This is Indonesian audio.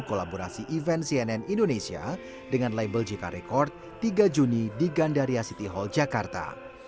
kolaborasi event cnn indonesia dengan label jk record tiga juni di gandaria city hall jakarta